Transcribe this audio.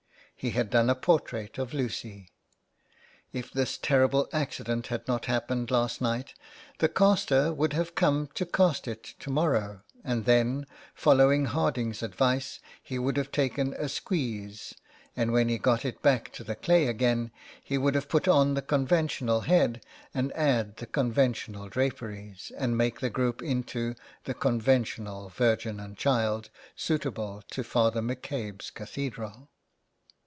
He had done a portrait of Lucy. If this terrible accident had not happened last night, the caster would have come to cast it to morrow, and then, following Harding's advice, he would have taken a " squeeze," and when he got it back to the clay again he would have put on a con ventional head, and add the conventional draperies, and make the group into the conventional Virgin and Child, suitable to Father McCabe's cathedral.